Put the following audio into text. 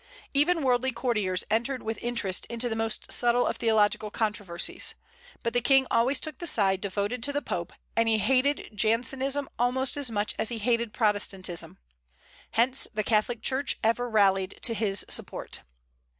Even worldly courtiers entered with interest into the most subtile of theological controversies. But the King always took the side devoted to the Pope, and he hated Jansenism almost as much as he hated Protestantism. Hence the Catholic Church ever rallied to his support.